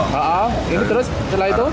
iya ini terus celah itu